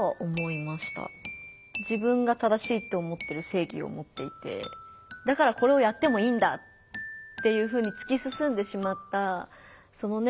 自分が正しいって思ってる正義を持っていてだからこれをやってもいいんだっていうふうにつきすすんでしまったそのね